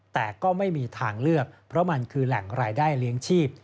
แต่ก็ไม่มีทางเลือกเพราะมันคือแหล่งรายได้เลี้ยงชีพ